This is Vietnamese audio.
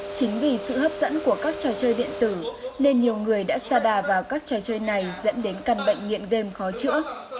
chính vì sự hấp dẫn của các trò chơi điện tử nên nhiều người đã xa đà vào các trò chơi này dẫn đến căn bệnh nghiện game khó chữa